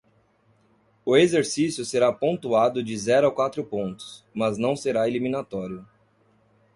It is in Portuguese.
O exercício será pontuado de zero a quatro pontos, mas não será eliminatório.